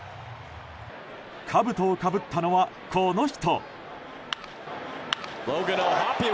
かぶとをかぶったのは、この人。